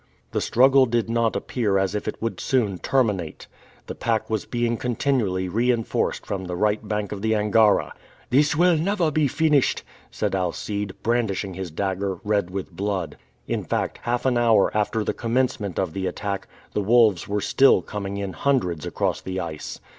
The struggle did not appear as if it would soon terminate. The pack was being continually reinforced from the right bank of the Angara. "This will never be finished!" said Alcide, brandishing his dagger, red with blood. In fact, half an hour after the commencement of the attack, the wolves were still coming in hundreds across the ice.